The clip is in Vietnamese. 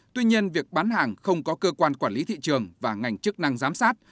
tuy nhiên việc bán hàng không có cơ quan quản lý thị trường và ngành chức năng giám sát